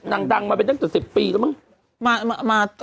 นางดังมาเป็นจน๑๐ปีแล้วมั้ง